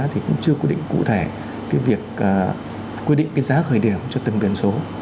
thì cũng chưa quy định cụ thể cái việc quy định cái giá khởi điểm cho từng biển số